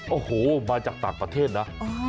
โอ้โหมาจากต่างประเทศนะ